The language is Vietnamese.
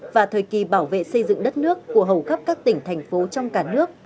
và thời kỳ bảo vệ xây dựng đất nước của hầu khắp các tỉnh thành phố trong cả nước